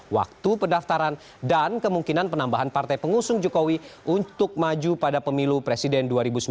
waktu pendaftaran dan kemungkinan penambahan partai pengusung jokowi untuk maju pada pemilu presiden dua ribu sembilan belas